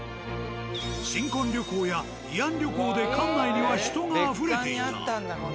新婚旅行や慰安旅行で館内には人があふれていた。